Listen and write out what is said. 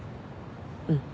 うん。